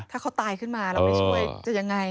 ถ้าเขาตายขึ้นมาเราไม่ช่วยจะยังไง